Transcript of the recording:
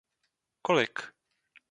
Kolik?